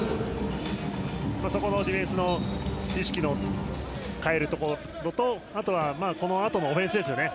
そこのディフェンスの意識の変えるところとあとはこのあとのオフェンスですよね。